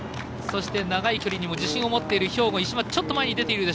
そして、長い距離にも自信を持っている、兵庫の石松。